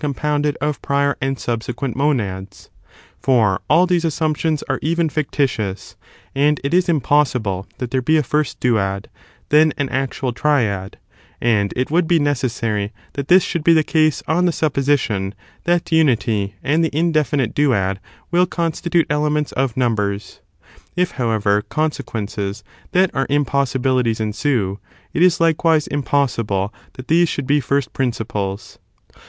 371 pounded of prior and subsequent monads 1 for all these assumptions are even fictitious, and it is impossible that there be a first duad, then an actual triad; and it would be necessary that this should be the case on ihe supposition that unity and the indefinite duad will constitute elements of numbers. If, however, consequences that are impossibilities ensue, it is likewise impossible that these should be first principles.